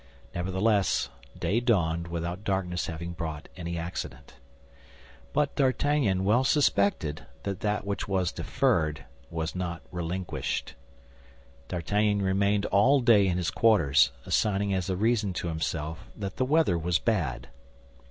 Nevertheless, day dawned without darkness having brought any accident. But D'Artagnan well suspected that that which was deferred was not relinquished. D'Artagnan remained all day in his quarters, assigning as a reason to himself that the weather was bad.